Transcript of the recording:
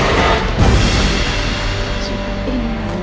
ya langsung nih diimut